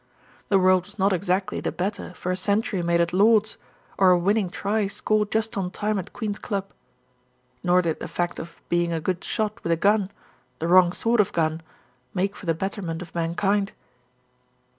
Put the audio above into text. The world was not exactly the better for a century made at Lord's, or a winning try scored just on time at Queen's Club; nor did the fact of being a good shot with a gun, the wrong sort of gun, make for the better ment of mankind.